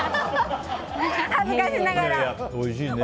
恥ずかしながら。